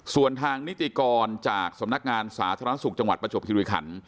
ส่วนทางนิติกรจากสำนักงานสาธารณสุขจังหวัดประจวบคิริขัน